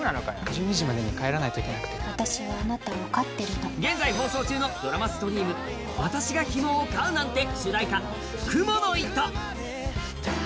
１２時までに帰らないといけなくて私はあなたを飼ってるの現在放送中のドラマストリーム「私がヒモを飼うなんて」